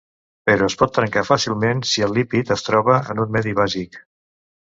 Però es pot trencar fàcilment si el lípid es troba en un medi bàsic.